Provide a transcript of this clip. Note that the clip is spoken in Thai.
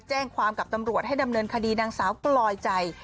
แจ้งความกับตำรวจให้ดำเนินคดีนางสาวกลอยใจ